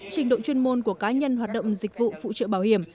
trình độ chuyên môn của cá nhân hoạt động dịch vụ phụ trợ bảo hiểm